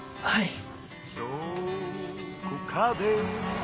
はい。